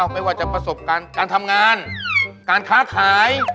ไม่ว่าจะประสบการณ์การทำงานการค้าขาย